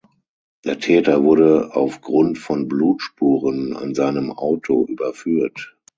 Der Täter wurde auf Grund von Blutspuren an seinem Auto überführt.